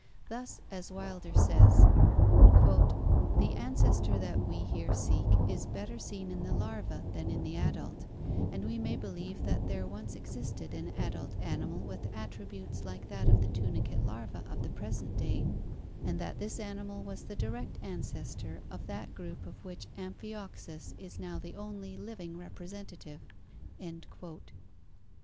Thus, as Wilder says, "The ancestor that we here seek is better seen in the larva than in the adult, and we may believe that there once existed an adult animal with attributes like that of the tunicate larva of the present day, and that this animal was the direct ancestor of that group of which Amphiorus is now the only living representative."